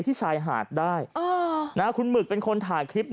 ที่ชายหาดได้คุณหมึกเป็นคนถ่ายคลิป